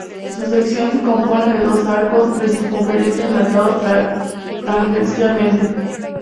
Su sección se compone de dos arcos de circunferencia enlazados tangencialmente.